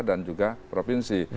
dan juga provinsi